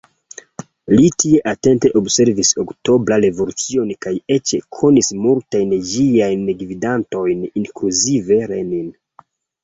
Li tie atente observis Oktobra Revolucion kaj eĉ konis multajn ĝiajn gvidantojn, inkluzive Lenin.